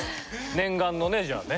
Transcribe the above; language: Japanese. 念願のねじゃあね。